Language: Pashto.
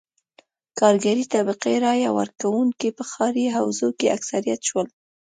کارګرې طبقې رایه ورکوونکي په ښاري حوزو کې اکثریت شول.